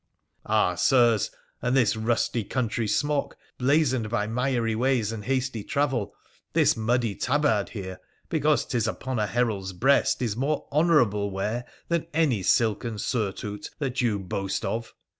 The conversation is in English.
Ah, Sirs, and this rusty country smock, blazoned by miry ways and hasty travel ; this muddy tabard here, because 'tis upon a herald's breast, is more honourable wear than any silken surtout that you boast of.